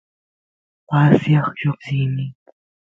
pasiaq lloqsini